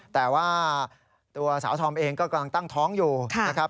แต่ว่าตัวสาวธอมเองก็กำลังตั้งท้องอยู่นะครับ